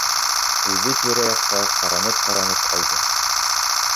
Үҙе тирә-яҡҡа ҡаранып-ҡаранып алды.